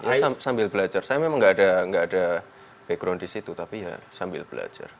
ya sambil belajar saya memang nggak ada background di situ tapi ya sambil belajar